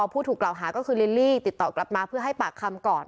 ผู้ถูกกล่าวหาก็คือลิลลี่ติดต่อกลับมาเพื่อให้ปากคำก่อน